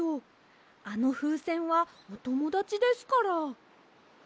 あのふうせんはおともだちですから。